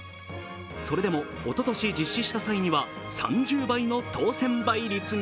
それでも、おととし実施した際には３０倍の当選倍率に。